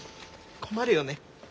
困るよね？